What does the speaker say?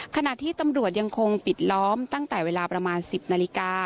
ขณะที่ตำรวจยังคงปิดล้อมตั้งแต่เวลาประมาณ๑๐นาฬิกา